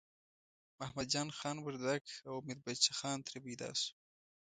محمد جان خان وردګ او میربچه خان ترې پیدا شو.